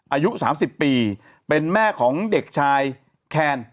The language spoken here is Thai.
อายุ๓๐ปีเป็นแม่ของเด็กชายแคน